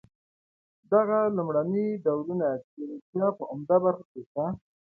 دغه لومړني ډولونه د ایروشیا په عمده برخو کې شته.